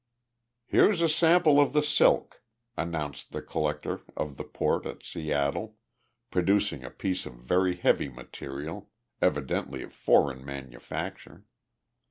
"Here's a sample of the silk," announced the Collector of the Port at Seattle, producing a piece of very heavy material, evidently of foreign manufacture.